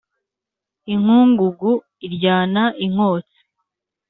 inkungugu iryana i nkotsi